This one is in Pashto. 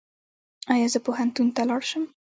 ایا زه پوهنتون ته لاړ شم؟